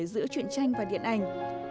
giữa truyền tranh và điện ảnh